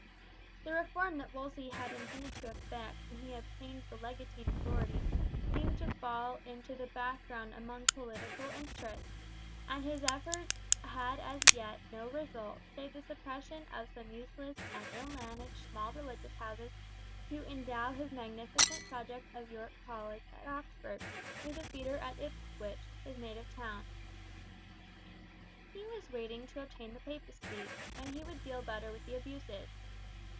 The reform that Wolsey had intended to effect when he obtained the legatine authority seemed to fall into the background among political interests, and his efforts had as yet no result save the suppression of some useless and ill managed small religious houses to endow his magnificent project of York College at Oxford, with a feeder at Ipswich, his native town. He was waiting to obtain the papacy, when he would deal better with the abuses.